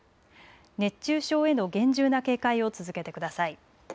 熱中症への厳重な警戒を続けてください。